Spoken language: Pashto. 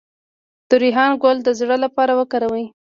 د ریحان ګل د زړه لپاره وکاروئ